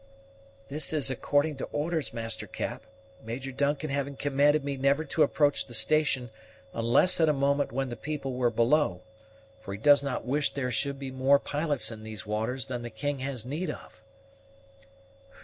"This is according to orders, Master Cap, Major Duncan having commanded me never to approach the station unless at a moment when the people were below; for he does not wish there should be more pilots in those waters than the king has need of."